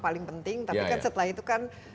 paling penting tapi kan setelah itu kan